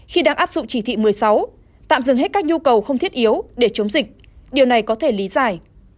khi đang áp dụng chỉ thị một mươi sáu tạm dừng hết các nhu cầu không thiết yếu để chống dịch điều này có thể lý giải